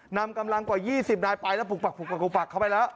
นำกำลังกว่ายี่สิบนายไปแล้วปุกปักปุกปักปุกปักเข้าไปแล้ว